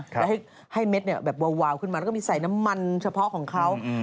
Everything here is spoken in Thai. แล้วให้เม็ดแบบวาวขึ้นมาแล้วก็มีใส่น้ำมันเฉพาะของเขา